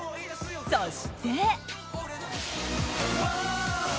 そして。